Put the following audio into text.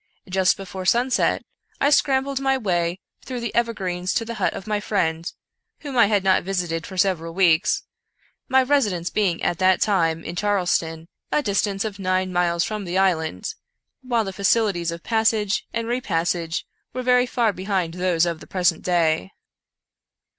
Just before sunset I scrambled my way through the evergreens to the hut of my friend, whom I had not visited for several weeks — my residence being, at that time, in Charleston, a distance of nine miles from the island, while the facilities of passage and repas sage were very far behind those of the present day.